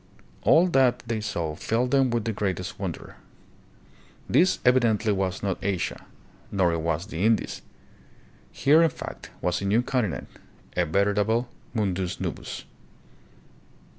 All that they saw filled them with greatest wonder. This evidently was not Asia, nor was it the Indies. Here, in fact, was a new continent, a veritable " Mundus Novus."